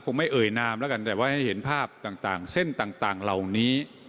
ไม่เอ่ยนามแล้วกันแต่ว่าให้เห็นภาพต่างเส้นต่างเหล่านี้